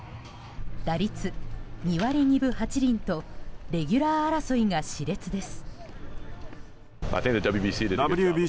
打率２割２分８厘とレギュラー争いが熾烈です。